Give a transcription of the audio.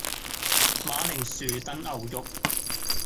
馬鈴薯燉牛肉